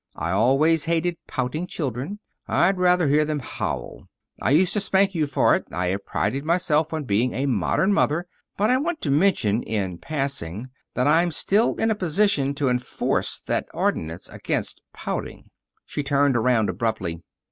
I always hated pouting children. I'd rather hear them howl. I used to spank you for it. I have prided myself on being a modern mother, but I want to mention, in passing, that I'm still in a position to enforce that ordinance against pouting." She turned around abruptly.